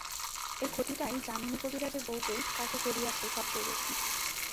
এই ক্ষতিটাই যামিনী কবিরাজের বৌকে কাবু করিয়াছে সবচেয়ে বেশি।